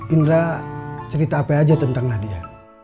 indra cerita apa aja tentang nadia